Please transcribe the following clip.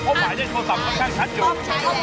เพราะฝ่ายได้โทรศัพท์ต้องใช้ชัดอยู่